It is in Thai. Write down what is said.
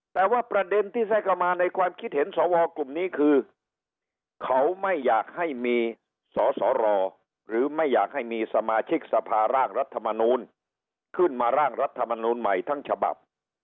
แต่ว่าประเด็นที่ใส่เข้ามาในความคิดเห็นสวกลุ่มนี้คือเขาไม่อยากให้มีสอสอรอหรือไม่อยากให้มีสมาชิกสภาร่างรัฐมนูลขึ้นมาร่างรัฐมนูลใหม่ทั้งฉบับ